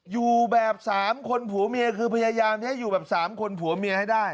อยู่แบบ๓คนผัวเมียคือพยายามจะให้อยู่แบบ๓คนผัวเมียให้ได้